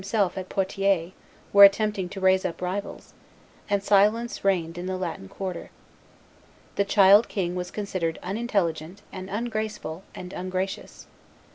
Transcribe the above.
himself at Poitiers, were attempting to raise up rivals; and silence reigned in the Latin quarter. The child king was considered unintelligent, and ungraceful, and ungracious.